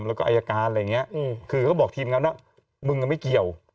แล้วก็อายการอะไรอย่างนี้คือเขาบอกทีมงานว่ามึงไม่เกี่ยว